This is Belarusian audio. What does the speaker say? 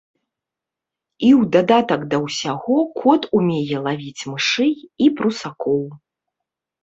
І ў дадатак да ўсяго кот умее лавіць мышэй і прусакоў.